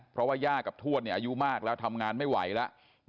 เพราะว่าย่ากับทวดอายุมากแล้วทำงานไม่ไหวแล้ว